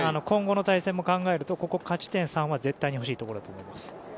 今後の対戦も考えるとここで勝ち点３は絶対に欲しいところだと思います。